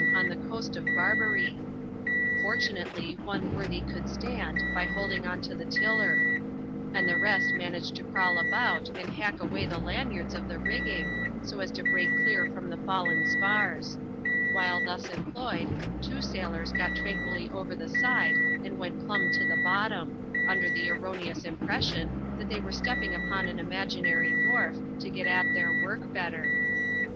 On the coast of Barbaree," Fortunately, one worthy could stand, by holding on to the tiller ; and the rest managed to crawl about, and hack away the lanjrards of the rigging, so as to break clear from the fallen spars. While thus employed, t^o ^aSiat^ ^<;i\. tcwvcujiilly over the side, and went pluxab to t\ie \>o\V>m\ \«AKt ^^^ «rt^T«*!»^ CHAP, ixxvn.] A PARTY OF ROVERS. 297 impression, that they were stepping upon an imaginary wharf,, to get at their work better.